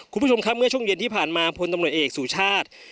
คุณผู้ชมครับเมื่อช่วงเย็นที่ผ่านมาพลตำรวจเอกสุชาติ